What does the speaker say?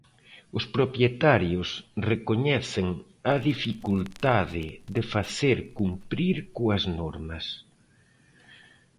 Os propietarios recoñecen a dificultade de facer cumprir coas normas.